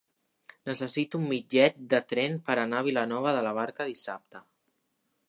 Necessito un bitllet de tren per anar a Vilanova de la Barca dissabte.